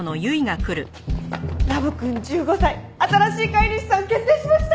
ラブくん１５歳新しい飼い主さん決定しました！